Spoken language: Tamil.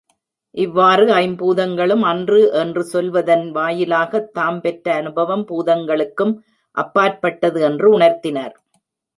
இவ்வாறு ஐம்பூதங்களும் அன்று என்று சொல்வதன் வாயிலாகத் தாம் பெற்ற அநுபவம் பூதங்களுக்கும் அப்பாற் பட்டது என்று உணர்த்தினார்.